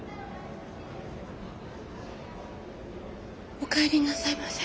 おかえりなさいませ。